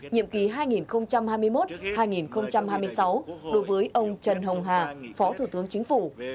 nhiệm kỳ hai nghìn hai mươi một hai nghìn hai mươi sáu đối với ông trần hồng hà phó thủ tướng chính phủ